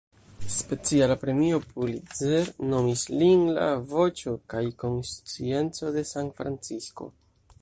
Speciala Premio Pulitzer nomis lin la "voĉo kaj konscienco" de San-Francisko.